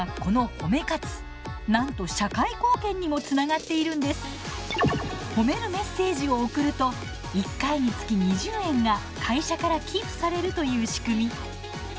褒めるメッセージを送ると１回につき２０円が会社から寄付されるという仕組み。